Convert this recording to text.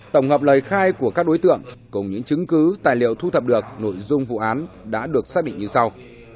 tổng hợp lời khai của các đối tượng cùng những chứng cứ tài liệu thu thập được nội dung vụ án đã được xác định như sau